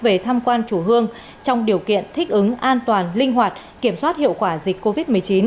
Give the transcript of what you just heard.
về tham quan chùa hương trong điều kiện thích ứng an toàn linh hoạt kiểm soát hiệu quả dịch covid một mươi chín